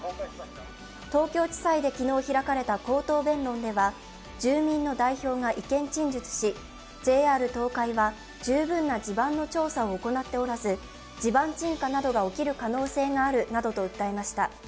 東京地裁で昨日開かれた口頭弁論では住民の代表が意見陳述しＪＲ東海は十分な地盤の調査を行っておらず地盤沈下などが起きる可能性があるなどと訴えました。